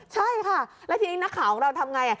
ใช่ค่ะแล้วทีนี้นักข่าวของเราทำไง